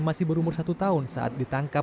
masih berumur satu tahun saat ditangkap